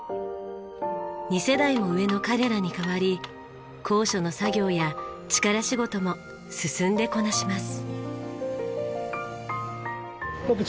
２世代も上の彼らに代わり高所の作業や力仕事も進んでこなします。